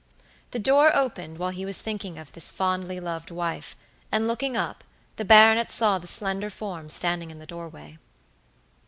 The door opened while he was thinking of this fondly loved wife, and looking up, the baronet saw the slender form standing in the doorway.